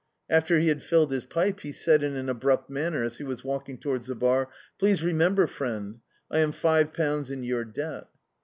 After he had filled his pipe, he said, in an abrupt manner, as he was walk ing towards the bar — "Please remember, friend, I am five pounds in your debt."